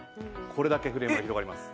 これだけフレームが広がります。